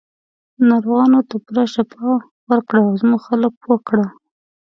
ناروغانو ته پوره شفا ورکړه او زموږ خلک پوه کړه.